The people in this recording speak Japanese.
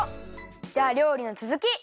じゃありょうりのつづき！